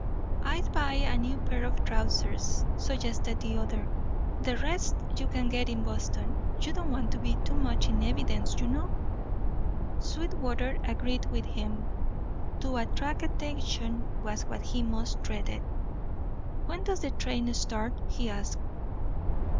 "I'd buy a new pair of trousers," suggested the other. "The rest you can get in Boston. You don't want to be too much in evidence, you know." Sweetwater agreed with. him. To attract attention was what he most dreaded. "When does the train start?" he asked.